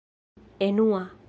enua